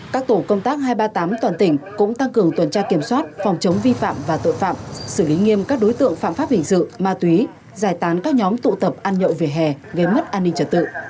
các tổ công tác hai trăm ba mươi tám toàn tỉnh cũng tăng cường tuần tra kiểm soát phòng chống vi phạm và tội phạm xử lý nghiêm các đối tượng phạm pháp hình sự ma túy giải tán các nhóm tụ tập ăn nhậu về hè gây mất an ninh trật tự